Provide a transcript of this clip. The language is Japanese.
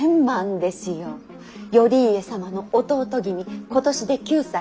頼家様の弟君今年で９歳。